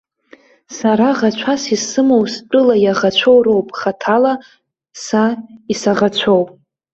Сара ӷацәас исымоу стәыла иаӷацәоу роуп, хаҭала са исаӷацәоу.